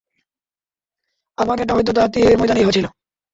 আবার এটা হয়ত বা তীহের ময়দানেই হয়েছিল।